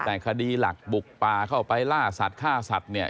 แต่คดีหลักบุกป่าเข้าไปล่าสัตว์ฆ่าสัตว์เนี่ย